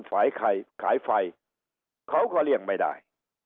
ฝ่ายไข่ขายไฟเขาก็เลี่ยงไม่ได้